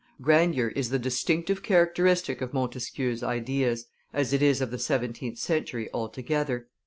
Grandeur is the distinctive characteristic of Montesquieu's ideas, as it is of the seventeenth century altogether.